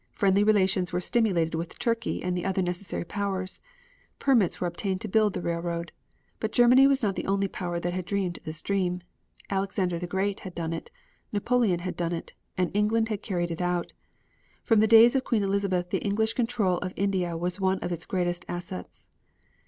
Friendly relations were stimulated with Turkey and the other necessary powers; permits were obtained to build the railroad. But Germany was not the only power that had dreamed this dream. Alexander the Great had done it. Napoleon had done it, and England had carried it out. From the days of Queen Elizabeth the English control of India was one of its greatest assets.